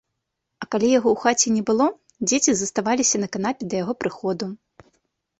А калі яго ў хаце не было, дзеці заставаліся на канапе да яго прыходу.